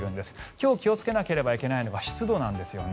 今日、気をつけなければいけないのが湿度なんですね。